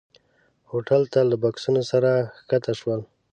هوټل ته له بکسونو سره ښکته شول.